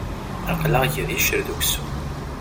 Aql-aɣ ger iccer d uksum.